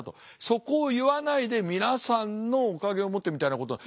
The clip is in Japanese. そこを言わないで皆さんのおかげをもってみたいなことは。